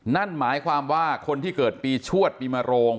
นั่นหมายความว่าคนที่เกิดปีชวดปีมโรง